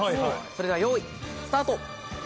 それではよい、スタート！